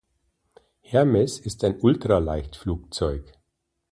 Hermes ist ein Ultraleichtflugzeug.